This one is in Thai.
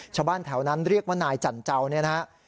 ชาวบ้านแถวนั้นเรียกว่านายจันเจ้าเนี่ยนะฮะ